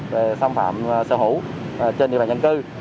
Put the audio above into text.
về xâm phạm sở hữu trên địa bàn nhân cư